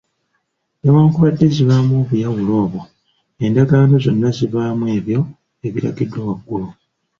Newankubadde zibaamu obuyawulo obwo, endagaano zonna zibaamu ebyo ebiragiddwa waggulu.